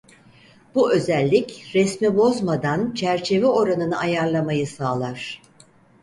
Bu özellik resmi bozmadan çerçeve oranını ayarlamayı sağlar.